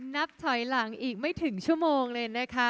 นับถอยหลังอีกไม่ถึงชั่วโมงเลยนะคะ